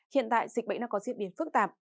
hiện tại dịch bệnh đang có diễn biến phức tạp